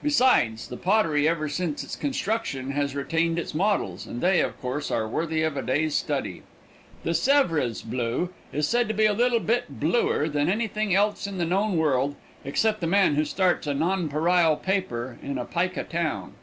Besides, the pottery ever since its construction has retained its models, and they, of course, are worthy of a day's study. The "Sèvres blue" is said to be a little bit bluer than anything else in the known world except the man who starts a nonpareil paper in a pica town.